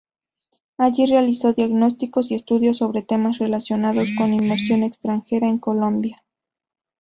Allí realizó diagnósticos y estudios sobre temas relacionados con inversión extranjera en Colombia.